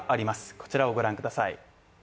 こちらをご覧ください。